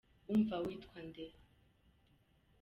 Umva witwa nde?